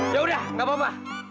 yaudah gak apa apa